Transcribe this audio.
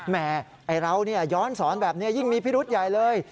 แหมเราเนี่ยย้อนสอนแบบนี้ยิ่งมีพฤทธิ์ใหญ่เลย